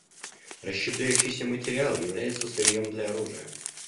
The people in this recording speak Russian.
Расщепляющийся материал является сырьем для оружия.